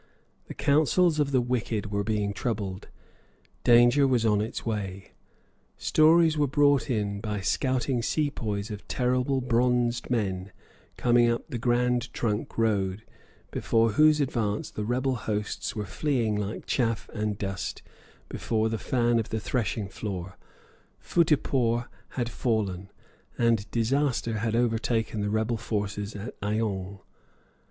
The councils of the wicked were being troubled. Danger was on its way. Stories were brought in by scouting Sepoys of terrible bronzed men coming up the Grand Trunk Road, before whose advance the rebel hosts were fleeing like chaff and dust before the fan of the threshing floor, Futtehpore had fallen, and disaster had overtaken the rebel forces at Aoung.